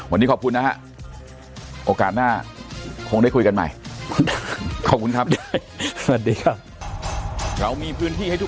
วันนี้ขอบคุณนะฮะโอกาสหน้าคงได้คุยกันใหม่